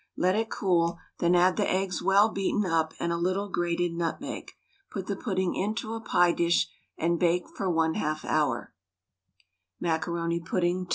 Let it cool, then add the eggs well beaten up, and a little grated nutmeg. Put the pudding into a pie dish and bake for 1/2 hour. MACARONI PUDDING (2).